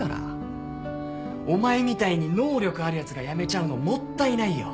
お前みたいに能力あるやつが辞めちゃうのもったいないよ。